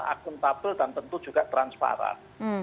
akuntabel dan tentu juga transparan